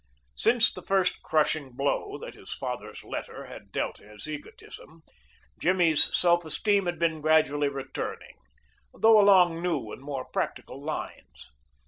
Since the first crushing blow that his father's letter had dealt his egotism, Jimmy's self esteem had been gradually returning, though along new and more practical lines.